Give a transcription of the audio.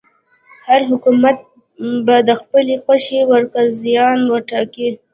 هر حکومت به د خپلې خوښې وړ قاضیان وټاکي.